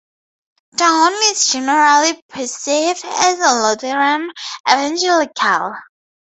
Dawn is generally perceived as a Lutheran evangelical.